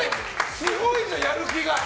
すごいじゃん、やる気が。